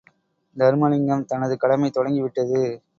தருமலிங்கம் தனது கடமை தொடங்கிவிட்டது.